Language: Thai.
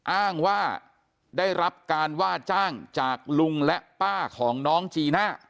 อ้างว่าได้รับการว่าจ้างจากลุงและป้าของน้องจีน่า